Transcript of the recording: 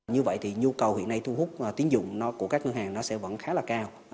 như vậy thì nhu cầu hiện nay thu hút tiến dụng của các ngân hàng nó sẽ vẫn khá là cao